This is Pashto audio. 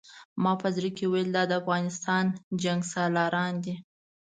ما په زړه کې ویل دا د افغانستان جنګسالاران دي.